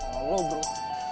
salah lu bro